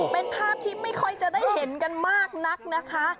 เป็นภาพที่ไม่ค่อยจะได้เห็นกันมากนักนะคะ